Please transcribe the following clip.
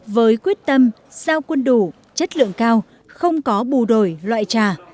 với quyết tâm sao quân đủ chất lượng cao không có bù đổi loại trả